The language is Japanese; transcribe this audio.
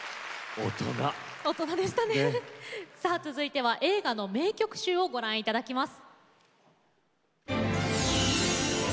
続いては映画の名曲集をご覧いただきます。